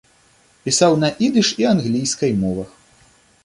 Пісаў на ідыш і англійскай мовах.